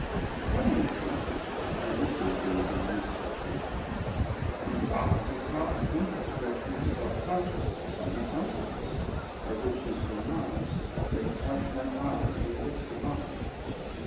One evening, as he stood gazing on his treasure, he thought he saw a faint expression of self consciousness on her countenance, as if she surmised that passionate eyes were fixed upon her.